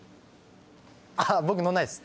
あっ僕乗んないです。